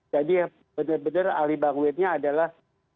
jadi benar benar ahli blankware nya adalah